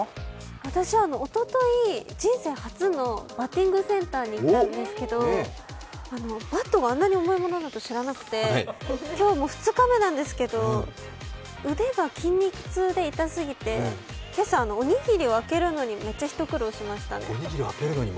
私はおととい、人生初のバッティングセンターに行ったんですけど、バットがあんなに重いものだとは知らなくて今日、もう２日目なんですけど、腕が筋肉痛で痛すぎて、今朝、おにぎりを開けるのにめっちゃ、ひと苦労しましたね。